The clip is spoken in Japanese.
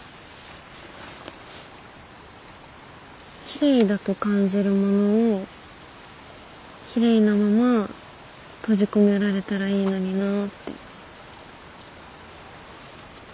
きれいだと感じるものをきれいなまま閉じ込められたらいいのになぁって。